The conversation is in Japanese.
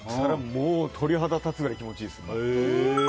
もう鳥肌立つぐらい気持ちいいです。